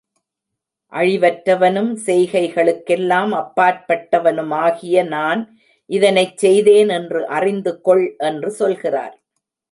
அழிவற்றவனும் செய்கைகளுக்கெல்லாம் அப்பாற்பட்டவனுமாகிய நான் இதனைச் செய்தேன் என்று அறிந்து கொள் என்று சொல்கிறார்.